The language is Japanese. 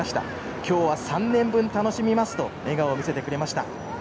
今日は３年分楽しみますと笑顔を見せてくれました。